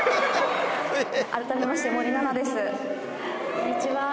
こんにちは。